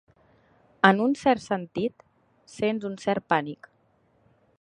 En un cert sentit, sents un cert pànic.